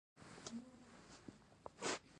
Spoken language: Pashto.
پر کوم اړخ به پرته وه؟ البته دا هم شونې وه.